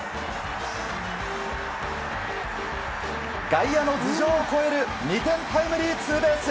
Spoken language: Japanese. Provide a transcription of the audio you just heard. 外野の頭上を越える２点タイムリーツーベース。